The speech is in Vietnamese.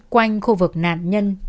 quanh khu vực nạn nhân